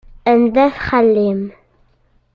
Anda-t xali-m?